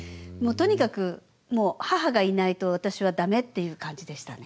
とにかくもう母がいないと私はダメっていう感じでしたね。